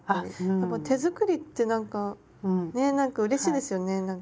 やっぱ手作りってなんかねなんかうれしいですよねなんか。